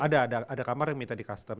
ada ada kamar yang minta di custom